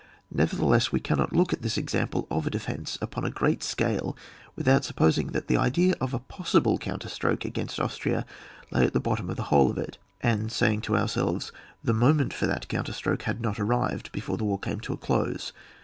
Neverthe less, we cannot look at this example of a defence upon a great scale without sup posing that the idea of a possible coun terstroke against Austria lay at the bot tom of the whole of it, and saying to ourselves, the moment for that coun terstroke had not arrived before the war came to a close.